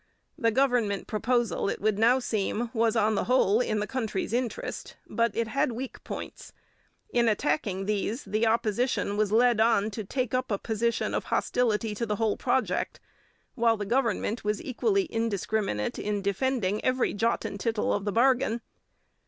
The government proposal, it would now seem, was on the whole in the country's interest, but it had weak points. In attacking these the Opposition was led on to take up a position of hostility to the whole project, while the government was equally indiscriminate in defending every jot and tittle of the bargain.